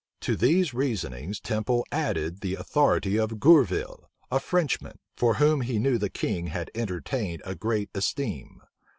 To these reasonings Temple added the authority of Gourville, a Frenchman, for whom he knew the king had entertained a great esteem.